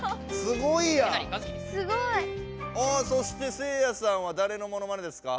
すごい！あそしてせいやさんはだれのモノマネですか？